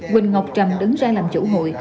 huỳnh ngọc trầm đứng ra làm chủ hội